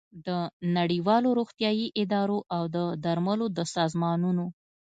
د نړیوالو روغتیايي ادارو او د درملو د سازمانونو